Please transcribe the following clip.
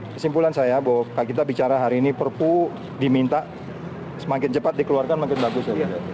kesimpulan saya bahwa kita bicara hari ini perpu diminta semakin cepat dikeluarkan makin bagus